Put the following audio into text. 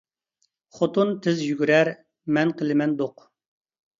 خوتۇن تىز يۈگۈرەر، مەن قىلىمەن دوق.